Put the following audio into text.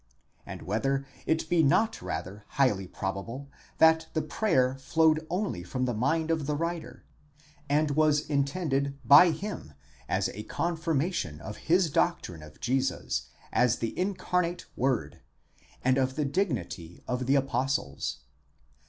and whether it be not rather highly probable that the prayer flowed only from the mind of the writer, and was intended by him as a confirmation of his doctrine of Jesus as the incarnate word Adyos, and of the dignity of the apostles?